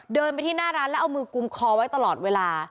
เดินไปที่หน้าร้านแล้วเอามือกุมคอไว้ตลอดเวลา